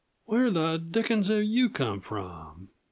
"Where the dickens did you come from?"